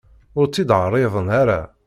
Ur tt-id-ɛriḍen ara.